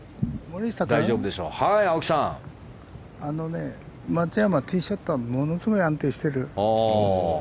森下君、あのね松山、ティーショットがものすごい安定してる。